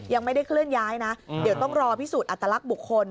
ยังไม่ได้เคลื่อนย้ายนะเดี๋ยวต้องรอพิสูจนอัตลักษณ์บุคคล